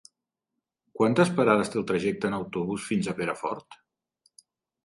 Quantes parades té el trajecte en autobús fins a Perafort?